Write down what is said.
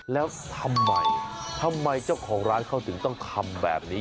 แล้วทำไมทำไมเจ้าของร้านเขาถึงต้องทำแบบนี้